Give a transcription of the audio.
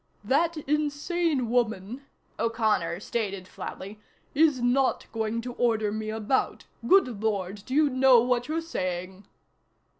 "That insane woman," O'Connor stated flatly, "is not going to order me about. Good Lord, do you know what you're saying?"